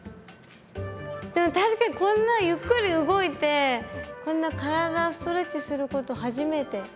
でも確かにこんなゆっくり動いてこんな体ストレッチすること初めて。